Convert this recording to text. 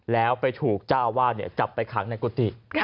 แล้วไปถูกเจ้าอาวาสจับไปขังในกุฏิ